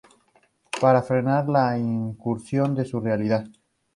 Para frenar la incursión de su realidad.